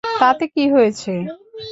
তাতে কি হয়েছে!